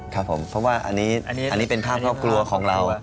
ครับผมเพราะว่าอันนี้เป็นภาพครอบครัวของเรา